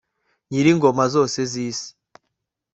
nyiringoma zose z'isi